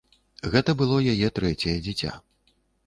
Гэта было яе трэцяе дзіця.